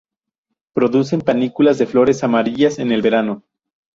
Producen panículas de flores amarillas en el verano.